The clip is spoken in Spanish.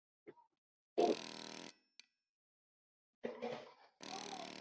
Rizomas rastreros, ascendentes o erectos, a veces arborescentes, usualmente con estolones.